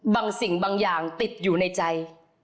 บางสิ่งบางอย่างติดอยู่ในใจ